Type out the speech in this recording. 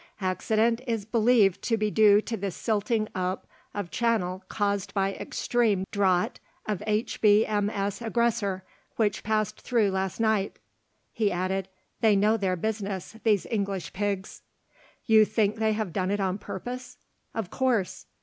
Accident is believed to be due to the silting up of channel caused by extreme draught of H.B.M.S. Aggressor which passed through last night._" He added: "They know their business, these English pigs." "You think they have done it on purpose?" "Of course."